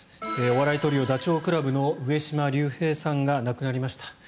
お笑いトリオ、ダチョウ倶楽部の上島竜兵さんが亡くなりました。